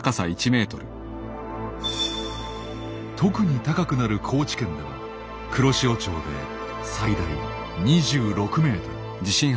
特に高くなる高知県では黒潮町で最大２６ｍ。